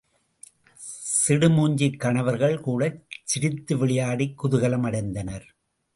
சிடுமூஞ்சிக் கணவர்கள் கூடச் சிரித்து விளையாடிக் குதூகலம் அடைந்தனர்.